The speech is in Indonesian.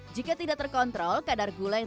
jika tidak terkontrol kadar gula yang